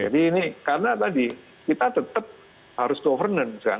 jadi ini karena tadi kita tetap harus governance kan